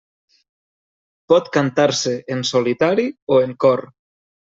Pot cantar-se en solitari o en cor.